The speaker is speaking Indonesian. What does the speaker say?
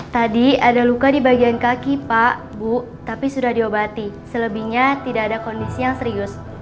tadi ada luka di bagian kaki pak bu tapi sudah diobati selebihnya tidak ada kondisi yang serius